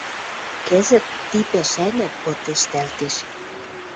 Кӹзӹт ти пӓшӓнӓ пыт ӹштӓлтеш...